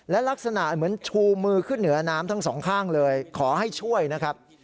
และลักษณะเหมือนชูมือขึ้นเหนือน้ำทั้งสองข้างเลยขอให้ช่วยนะครับ